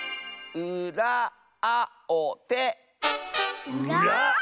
「うらあをて」